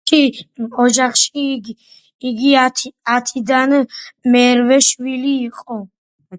ოჯახში იგი ათიდან მერვე შვილი იყო.